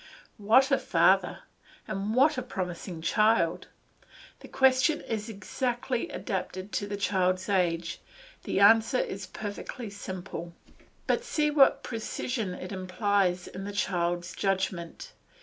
What a father! and what a promising child! The question is exactly adapted to the child's age, the answer is perfectly simple; but see what precision it implies in the child's judgment.